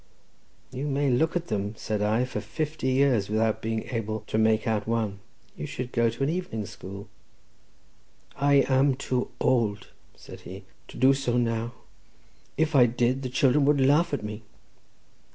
"You may look at them," said I, "for fifty years without being able to make out one. You should go to an evening school." "I am too old," said he, "to do so now; if I did the children would laugh at me."